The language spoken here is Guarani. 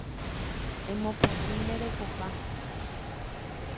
Emopotĩ nde rekoha